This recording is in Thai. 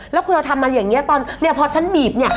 แล้วคุณเราทำมาอย่างนี้ตอนเนี่ยพอฉันบีบเนี่ย